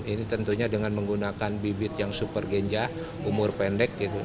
ini tentunya dengan menggunakan bibit yang super ganja umur pendek